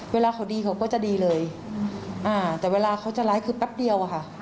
เวลาเขาดีเขาก็จะดีเลยอ่าแต่เวลาเขาจะไลฟ์คือแป๊บเดียวอะค่ะ